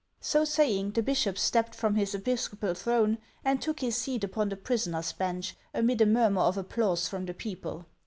So saying, the bishop stepped from his episcopal throne, and took his seat upon the prisoners' bench, amid a murmur of applause from the people.